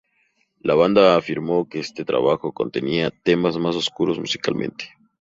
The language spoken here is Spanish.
La banda afirmó que este trabajo contenía temas más oscuros musicalmente.